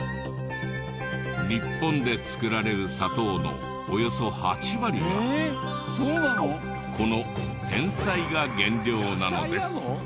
日本で作られる砂糖のおよそ８割がこのテンサイが原料なんです。